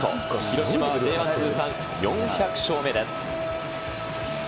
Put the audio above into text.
広島はＪ１通算４００勝目です。